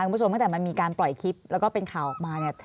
ตั้งแต่มันมีการปล่อยคลิปแล้วก็เป็นข่าวออกมาเนี่ย